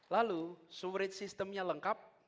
lalu sewerage systemnya lengkap